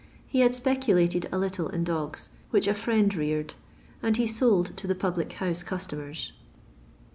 He had speculated a little in dogs, which a friend reared, sod he sold to the public house customers.